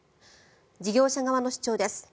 事業者側の主張です。